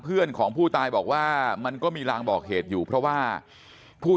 เพื่อนของผู้ตายบอกว่ามันก็มีรางบอกเหตุอยู่เพราะว่าผู้